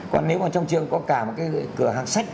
còn nếu mà trong trường có cả một cái cửa hàng sách